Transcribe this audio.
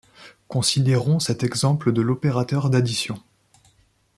Considérons cet exemple de l'opérateur d'addition.